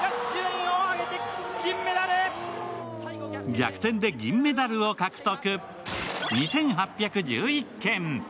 逆転で銀メダルを獲得！